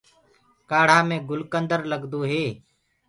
ڪآڙهآ مي گُلڪندر لگدو هي۔